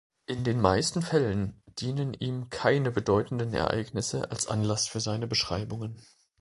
In den meisten Fällen dienen ihm keine bedeutenden Ereignisse als Anlass für seine Beschreibungen.